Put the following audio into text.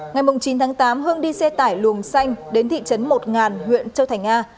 ngày chín tháng tám hưng đi xe tải luồng xanh đến thị trấn một ngàn huyện châu thành a